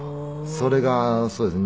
それがそうですね。